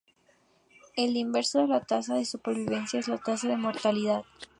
El inverso de la tasa de supervivencia es la tasa de mortalidad.